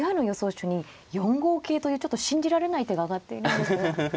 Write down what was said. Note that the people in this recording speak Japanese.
手に４五桂というちょっと信じられない手が挙がっているんですが。